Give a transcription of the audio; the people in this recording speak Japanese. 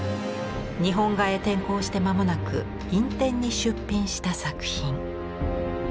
日本画へ転向して間もなく院展に出品した作品。